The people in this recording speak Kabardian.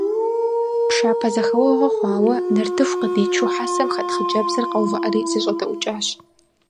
Пшапэ зэхэуэгъуэ хъуауэ, нартыху къыдичу хьэсэм хэт хъыджэбзыр къэувыӀэри зэщӀэдэӀукӀащ.